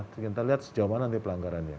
kita lihat sejauh mana nanti pelanggarannya